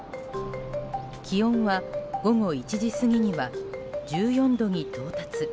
気温は午後１時過ぎには１４度に到達。